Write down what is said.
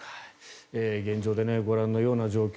現状でご覧のような現状。